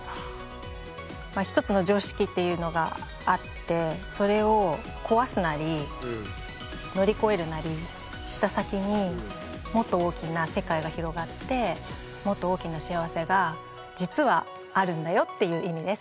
まあ一つの常識っていうのがあってそれを壊すなり乗りこえるなりした先にもっと大きな世界が広がってもっと大きな幸せが実はあるんだよっていう意味です。